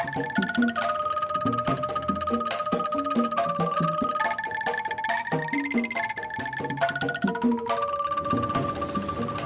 gimana kabarnya temen temen